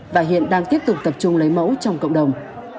và hiện đang tiếp tục tập trung lấy mẫu trong cộng đồng